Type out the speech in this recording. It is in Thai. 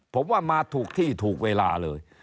ผมว่ามาถูกที่ถูกเวลาเลย